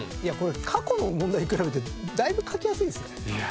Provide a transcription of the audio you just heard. これ過去の問題に比べてだいぶ書きやすいですよ。